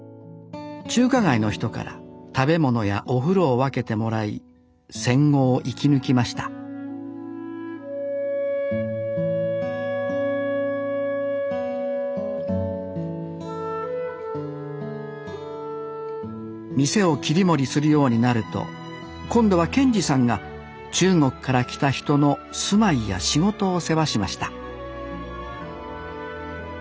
中華街の人から食べ物やお風呂を分けてもらい戦後を生き抜きました店を切り盛りするようになると今度は賢次さんが中国から来た人の住まいや仕事を世話しました